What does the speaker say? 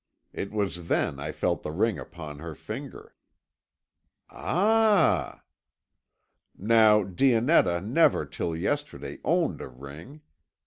It was then I felt the ring upon her finger." "Ah!" "Now, Dionetta never till yesterday owned a ring.